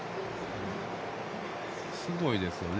すごいですよね。